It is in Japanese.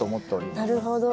なるほど。